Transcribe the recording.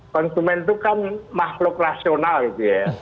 konsumen itu kan makhluk rasional gitu ya